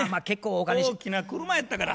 大きな車やったから。